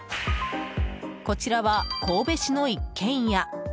こちらは神戸市の一軒家。